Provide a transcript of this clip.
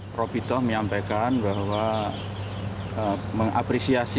prof ito menyampaikan bahwa mengapresiasi